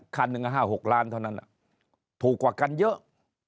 คันหนึ่ง๕๖ล้านเท่านั้นถูกกว่ากันเยอะ